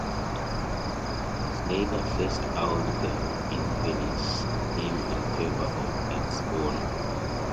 Schneider phased out the "Invensys" name in favour of its own.